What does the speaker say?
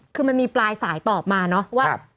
คือมันมีปลายสายตอบมาเนอะว่า